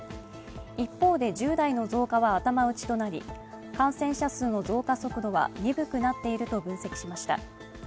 一方で、１０代の増加は頭打ちとなり感染者数の増加速度は鈍くなっていると分析しました。